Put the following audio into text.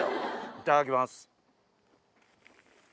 いただきます。